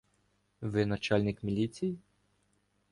— Ви начальник міліції?